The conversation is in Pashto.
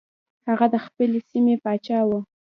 هغه د خپلې سیمې پاچا و.